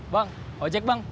bang ojek bang